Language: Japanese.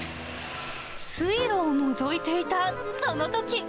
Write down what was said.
水路をのぞいていたそのとき。